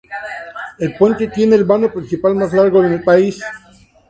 El puente tiene el vano principal más largo en el país.